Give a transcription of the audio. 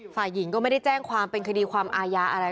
ฝ่ายหญิงก็ไม่ได้แจ้งความเป็นคดีความอาญาอะไร